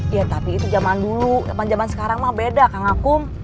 ya tapi itu jaman dulu jaman jaman sekarang mah beda kak ngakum